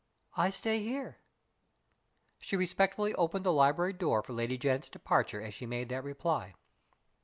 "I stay here." She respectfully opened the library door for Lady Janet's departure as she made that reply.